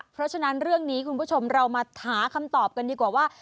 เพราะฉะนั้นเรื่องนี้คุณผู้ชมเรามาหาคำตอบกันดีกว่าว่า